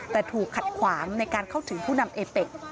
แต่ถูกขัดขวางในการเข้าถึงผู้นำเอเป็ก